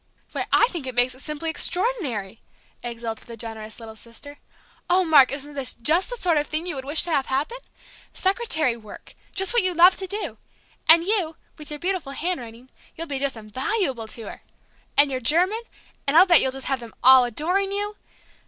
"Why, I think it makes it simply extraordinary!" exulted the generous little sister. "Oh, Mark, isn't this just the sort of thing you would have wished to happen! Secretary work, just what you love to do! And you, with your beautiful handwriting, you'll just be invaluable to her! And your German and I'll bet you'll just have them all adoring you